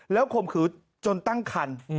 แล้วคลมขืนจนตั้งคัน